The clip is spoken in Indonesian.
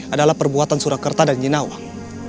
adalah perbuatan surakerta dan nyinawang